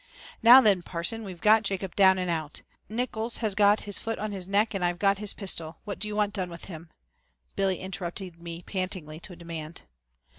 "Now then, Parson, we've got Jacob down and out. Nickols has got his foot on his neck and I've got his pistol. What do you want done with him?" Billy interrupted me pantingly to demand.